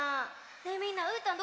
ねえみんなうーたん